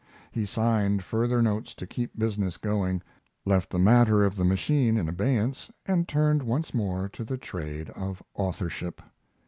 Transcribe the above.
He signed further notes to keep business going, left the matter of the machine in abeyance, and turned once more to the trade of authorship.